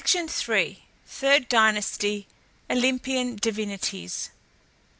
THIRD DYNASTY OLYMPIAN DIVINITIES.